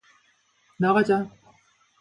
나가자.